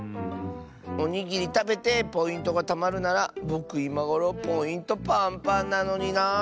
おにぎりたべてポイントがたまるならぼくいまごろポイントパンパンなのにな。